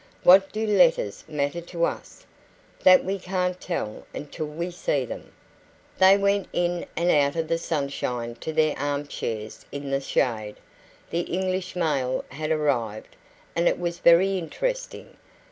"What do letters matter to us?" "That we can't tell until we see them." They went in out of the sunshine to their arm chairs in the shade. The English mail had arrived, and it was very interesting.